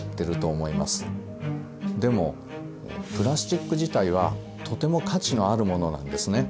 でもプラスチック自体はとても価値のあるものなんですね。